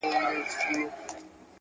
زه پښتنه ومه دهقان ته مې ځوانې خاوری کړه